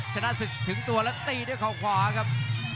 ชนะศึกถึงตัวแล้วตีด้วยเขาขวาครับ